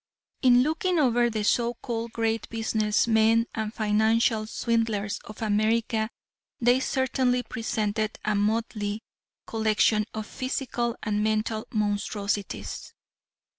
In looking over the so called great business men and financial swindlers of America they certainly presented a motley collection of physical and mental monstrosities.